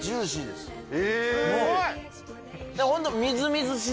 すごい！